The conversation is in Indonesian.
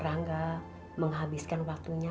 rangga menghabiskan waktunya